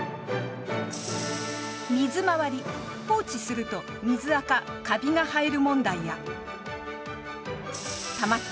水回り放置すると水垢カビが生える問題や